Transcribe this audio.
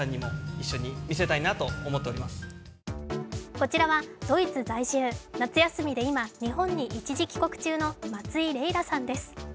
こちらはドイツ在住、夏休みで今、日本に一時帰国中の松井レイラさんです。